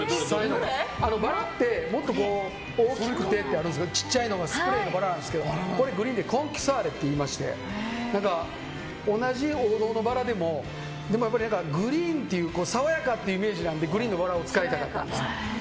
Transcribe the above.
バラってもっと大きくてってあるんですけどちっちゃいのスプレーのバラなんですけどこれ、グリーンでコンキサーレっていいまして同じ王道のバラでもグリーンっていう爽やかっていうイメージなんでグリーンのバラを使いたかったんです。